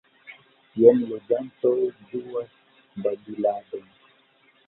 Jen loĝantoj ĝuas babiladon.